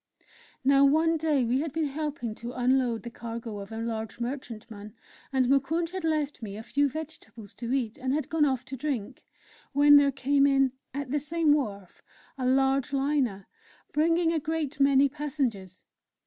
Now, one day we had been helping to unload the cargo of a large merchantman, and Moukounj had left me a few vegetables to eat, and had gone off to drink, when there came in, at the same wharf, a large Liner, bringing a great many passengers.